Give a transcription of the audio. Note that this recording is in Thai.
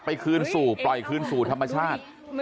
ก็ต้องปล่อยคืนสู่ธรรมชาติ